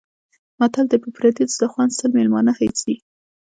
متل دی: په پردي دسترخوان سل مېلمانه هېڅ دي.